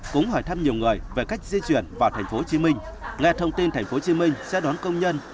cũng hỏi thăm nhiều người về cách di chuyển vào thành phố hồ chí minh nghe thông tin thành phố hồ chí minh sẽ đón công nhân